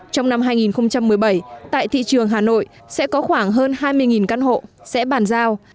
trong năm hai nghìn một mươi bảy tại thị trường hà nội sẽ có khoảng hơn hai mươi căn hộ sẽ bàn giao